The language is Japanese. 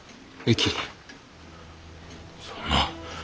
そんな。